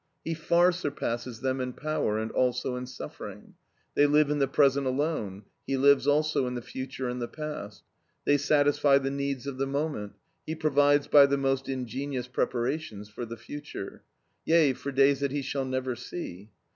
He far surpasses them in power and also in suffering. They live in the present alone, he lives also in the future and the past. They satisfy the needs of the moment, he provides by the most ingenious preparations for the future, yea for days that he shall never see.